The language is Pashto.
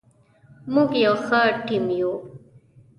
موږ یو ښه ټیم یو.